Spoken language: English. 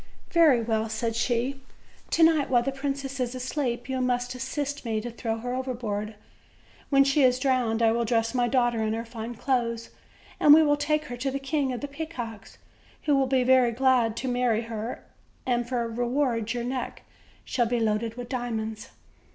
"Very well," said she, "to night, while the princess is asleep, you must assist me to throw her overboard. When she is drowned I will dress my daughter in her fine clothes, and we will take her to the King of the Pea cocks, who will be very glad to marry her; and for a re ward your neck shall be loaded with diamonds."